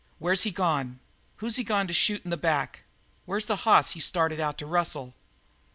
Where's he gone? Who's he gone to shoot in the back? Where's the hoss he started out to rustle?"